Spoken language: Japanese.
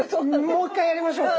もう一回やりましょうか？